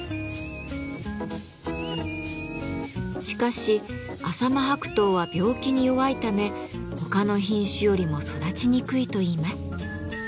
しかし浅間白桃は病気に弱いため他の品種よりも育ちにくいといいます。